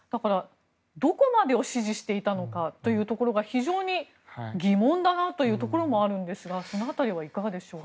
どこまでを指示していたのかというところが非常に疑問だなというところもありますがその辺りはいかがでしょうか。